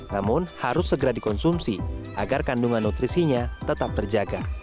namun harus segera dikonsumsi agar kandungan nutrisinya tetap terjaga